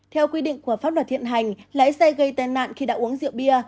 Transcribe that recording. theo quy định của pháp luật hiện hành lái xe gây tai nạn khi đã uống rượu bia